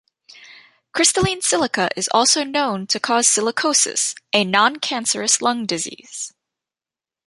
Crystalline silica is also known to cause silicosis, a non-cancerous lung disease.